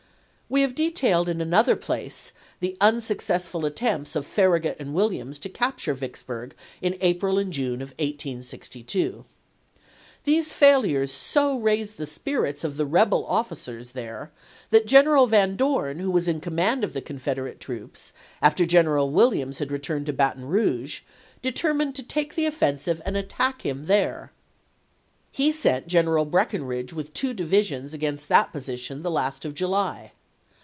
We have detailed in another place the unsuccess ful attempts of Farragut and Williams to capture Vicksburg in April and June of 1862. These fail ures so raised the spirits of the rebel officers there that General Van Dorn, who was in command of the Confederate troops, after General Williams had retired to Baton Eouge, determined to take the 122 ABKAHAM LINCOLN chap. v. offensive and to attack Mm there. He sent General Breckinridge with two divisions against that 1862. position the last of July.